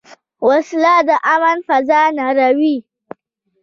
وسله د امن فضا نړوي